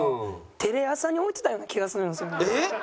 テレ朝に置いてたような気がするんですよね。